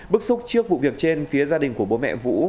bức xúc trước vụ việc trên phía gia đình của bố mẹ vũ